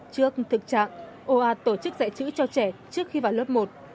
trước thực trạng o a tổ chức dạy chữ cho trẻ trước khi vào lớp một